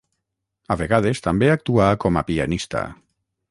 A vegades també actuà com a pianista.